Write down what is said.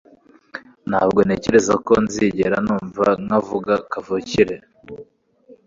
Ntabwo ntekereza ko nzigera numva nkavuga kavukire